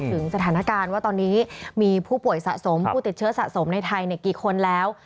ถึงสถานการณ์ว่าตอนนี้มีผู้ป่วยสะสมผู้ติดเชื้อสะสมในไทยกี่คนแล้ว